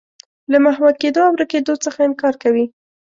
له محوه کېدو او ورکېدو څخه انکار کوي.